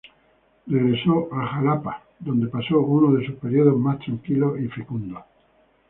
Regresó a Xalapa, donde pasó uno de sus periodos más tranquilos y fecundos.